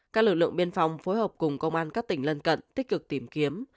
các lực lượng biên phòng phối hợp cùng công an các tỉnh lân cận tích cực tìm kiếm